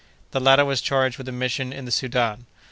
The latter was charged with a mission in the Soudan.